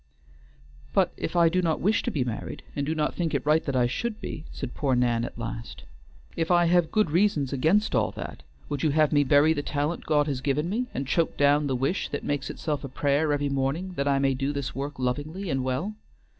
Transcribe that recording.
"But if I do not wish to be married, and do not think it right that I should be," said poor Nan at last. "If I have good reasons against all that, would you have me bury the talent God has given me, and choke down the wish that makes itself a prayer every morning that I may do this work lovingly and well?